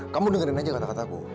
kamu dengerin aja kata kataku